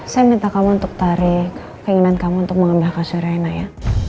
saya minta kamu untuk tarik keinginan kamu untuk mengambil kasur aina ya